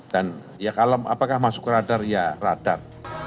dan apakah masuk ke radar ya radar